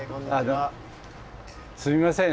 すみません。